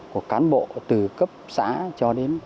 của cán bộ từ cấp xã cho đến